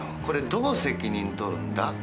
これどう責任取るんだ？